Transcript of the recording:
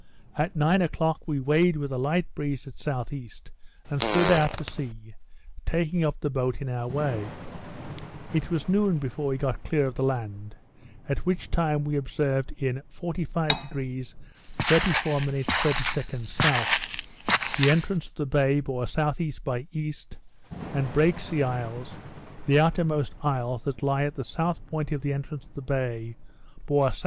At nine o'clock we weighed with a light breeze at south east, and stood out to sea, taking up the boat in our way. It was noon before we got clear of the land; at which time we observed in 45° 34' 30" S.; the entrance of the bay bore S.E. by E., and Break sea Isles (the outermost isles that lie at the south point of the entrance of the bay,) bore S.S.